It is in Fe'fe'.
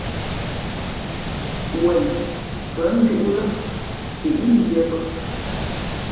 Wen kα̌ njūʼ lά sǐʼ mbīē bᾱ.